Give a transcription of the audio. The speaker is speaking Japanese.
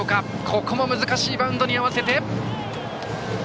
ここも難しいバウンドに合わせた。